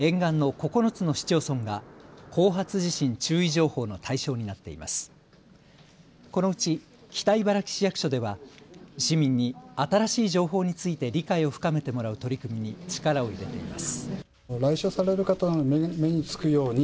このうち北茨城市役所では市民に新しい情報について理解を深めてもらう取り組みに力を入れています。